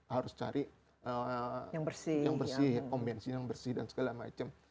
harus cari yang bersih om bensin yang bersih dan segala macam